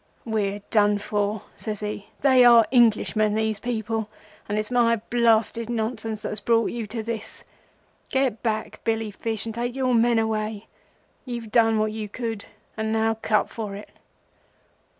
"'We're done for,' says he. 'They are Englishmen, these people,—and it's my blasted nonsense that has brought you to this. Get back, Billy Fish, and take your men away; you've done what you could, and now cut for it.